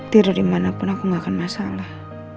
tidur dimanapun aku gak akan masalah